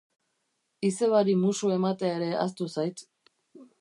Izebari musu ematea ere ahaztu zait.